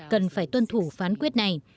cần phải tuân thủ phán quyết này